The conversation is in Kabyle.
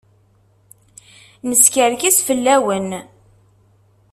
Neskerkes fell-awen.